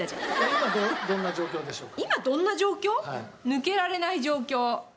今どうどんな状況でしょうか？